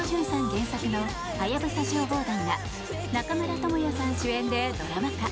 原作の「ハヤブサ消防団」が中村倫也さん主演でドラマ化！